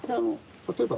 例えば。